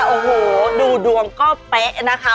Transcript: โอ้โหดูดวงก็เป๊ะนะคะ